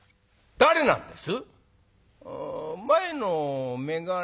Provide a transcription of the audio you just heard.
誰なんです？」。